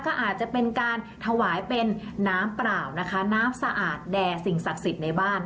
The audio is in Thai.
ก็อาจจะเป็นการถวายเป็นน้ำเปล่านะคะน้ำสะอาดแด่สิ่งศักดิ์สิทธิ์ในบ้าน